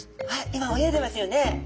今泳いでますよね。